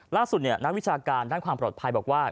ล่าสุดนะนักวิทยาการด้านความปลอดภัยบอกว่า